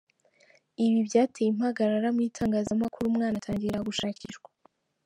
Ibi byateye impagarara mu itangazamakuru umwana atangira gushakishwa.